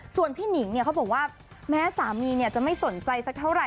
ส่วนพี่หนิงเขาบอกว่าแม้สามีจะไม่สนใจสักเท่าไห